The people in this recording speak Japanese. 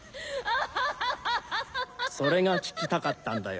それが聞きたかったんだよ。